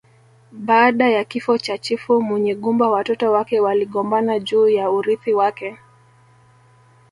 Baada ya kifo cha chifu Munyigumba watoto wake waligombana juu ya urithi wake